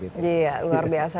iya luar biasa